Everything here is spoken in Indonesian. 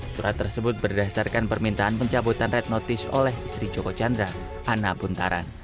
surat tersebut berdasarkan permintaan pencabutan red notice oleh istri joko chandra ana buntaran